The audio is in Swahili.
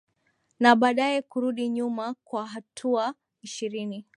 na baadaye kurudi nyuma kwa hatua ishirini